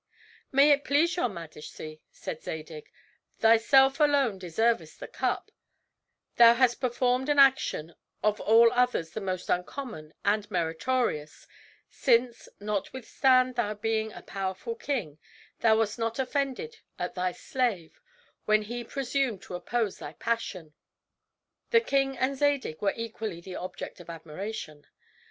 "May it please your majesty," said Zadig, "thyself alone deservest the cup; thou hast performed an action of all others the most uncommon and meritorious, since, notwithstanding thy being a powerful king, thou wast not offended at thy slave when he presumed to oppose thy passion." The king and Zadig were equally the object of admiration.